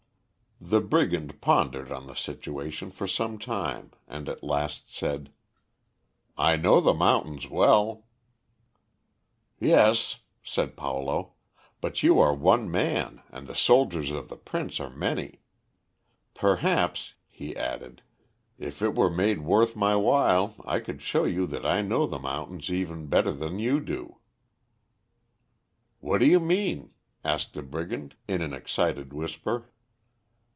The brigand pondered on the situation for some time, and at last said, "I know the mountains well." "Yes;" said Paulo, "but you are one man, and the soldiers of the Prince are many. Perhaps," he added, "if it were made worth my while, I could show you that I know the mountains even better than you do." "What do you mean?" asked the brigand, in an excited whisper.